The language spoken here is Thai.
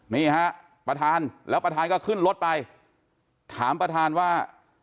นี่ฮะประธานแล้วประธานก็ขึ้นรถไปถามประธานว่า